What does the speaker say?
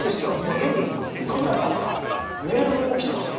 現に３日ぐらい前かなメールも来てますよ